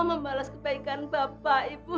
membalas kebaikan bapak ibu